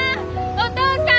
お父さん！